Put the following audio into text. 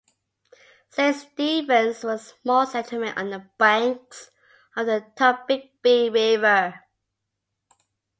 Saint Stephens was a small settlement on the banks of the Tombigbee River.